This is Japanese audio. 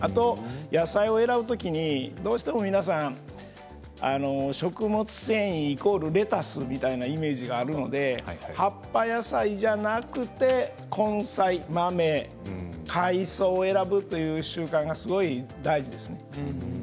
野菜を選ぶ時にどうしても皆さん食物繊維イコールレタスみたいなイメージがあるので葉っぱ野菜じゃなくて根菜豆、海藻を選ぶという習慣がすごい大事ですね。